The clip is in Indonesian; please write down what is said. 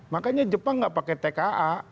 makanya jepang nggak pakai tka